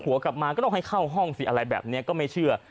กลับมาก็ต้องให้เข้าห้องสิอะไรแบบนี้ก็ไม่เชื่อ